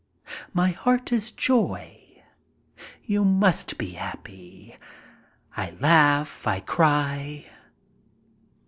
My heart is joy. You must be happy. I laugh — I cry.